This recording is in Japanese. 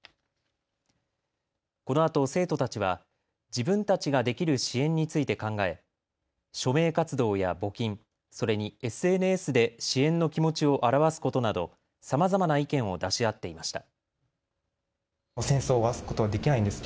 このあと生徒たちは自分たちができる支援について考え署名活動や募金、それにＳＮＳで支援の気持ちを表すことなどさまざまな意見を出し合っていました。